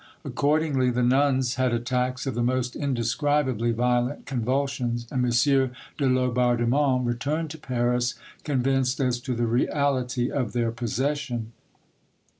Accordingly, the nuns had attacks of the most indescribably violent convulsions, and M. de Laubardemont returned to Paris convinced as to the reality of their possession.